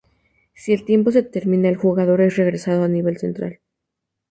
Si el tiempo se termina, el jugador es regresado al nivel central.